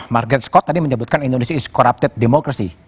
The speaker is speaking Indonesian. market scott tadi menyebutkan indonesia is corrupted demokrasi